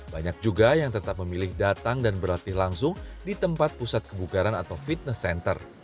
banyak juga yang tetap memilih datang dan berlatih langsung di tempat pusat kebugaran atau fitness center